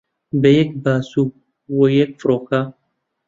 بە یەک باس و یەک فڕۆکە